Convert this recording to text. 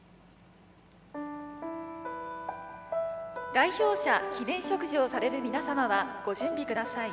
代表者記念植樹をされる皆様はご準備ください。